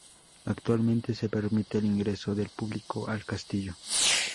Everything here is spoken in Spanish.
Actualmente se permite el ingreso del público al castillo.